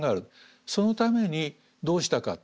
そのためにどうしたか。